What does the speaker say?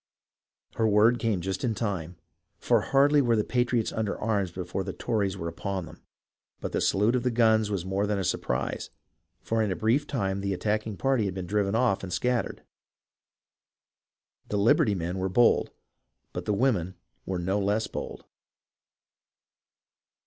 Her word came just in time, for hardly were the patriots under arms before the Tories were upon them ; but the salute of the guns was more than a surprise, for in a brief time the attacking party had been driven off and scattered. The " liberty men " were bold, but the women were no less bold.